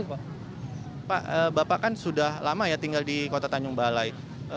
pak bapak kan sudah lama ya tinggal di kota tanjung balai